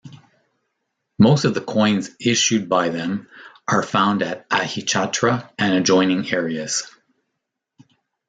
Most of the coins issued by them are found at Ahichatra and adjoining areas.